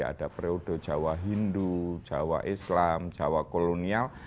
ada periode jawa hindu jawa islam jawa kolonial